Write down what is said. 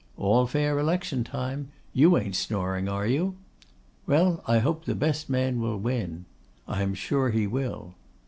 'All fair election time. You ain't snoring, are you?' 'Well, I hope the best man will win.' 'I am sure he will.